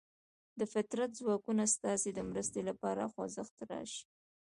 د فطرت ځواکونه ستاسې د مرستې لپاره خوځښت راشي.